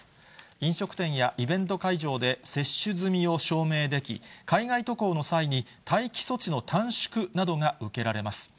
飲食店やイベント会場で、接種済みを証明でき、海外渡航の際に待機措置の短縮などが受けられます。